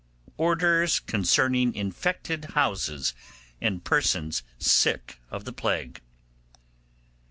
ORDERS CONCERNING INFECTED HOUSES AND PERSONS SICK OF THE PLAGUE.